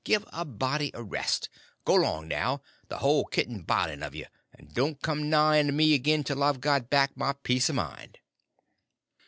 Give a body a rest! Go 'long now, the whole kit and biling of ye; and don't come nigh me again till I've got back my peace of mind."